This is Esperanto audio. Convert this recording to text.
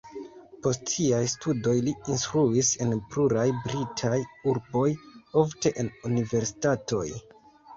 Post siaj studoj li instruis en pluraj britaj urboj, ofte en universitatoj.